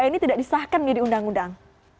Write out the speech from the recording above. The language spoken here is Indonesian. ini tidak disahkan menjadi undang undang